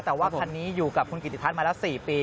แต่ว่าคันนี้อยู่กับคุณกิติพัฒน์มาแล้ว๔ปี